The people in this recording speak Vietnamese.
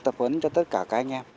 tập huấn cho tất cả các anh em